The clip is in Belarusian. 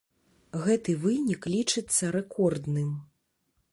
Гэты вынік лічыцца рэкордным.